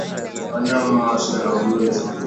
Wanyama wasio na ugonjwa